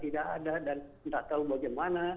tidak ada dan tidak tahu bagaimana